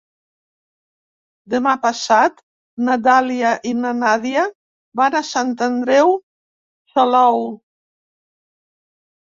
Demà passat na Dàlia i na Nàdia van a Sant Andreu Salou.